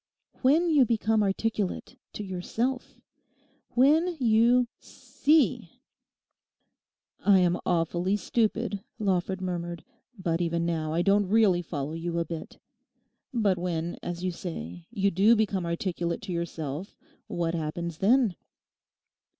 When you become articulate to yourself. When you see.' 'I am awfully stupid,' Lawford murmured, 'but even now I don't really follow you a bit. But when, as you say, you do become articulate to yourself, what happens then?